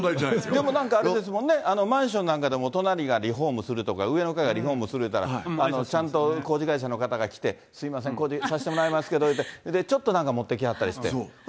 でもなんか、マンションなんかも隣がリフォームするとか、上の階がリフォームするとか、ちゃんと工事会社の方が来て、すみません、工事させてもらいますけどいうと、ちょっとなんか持って来はったりして。